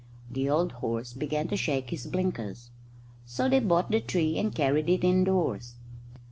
The old horse began to shake his blinkers. So they bought the tree and carried it indoors.